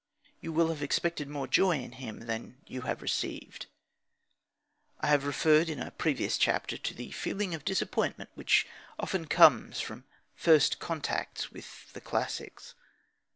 You will have expected more joy in him than you have received. I have referred in a previous chapter to the feeling of disappointment which often comes from first contacts with the classics.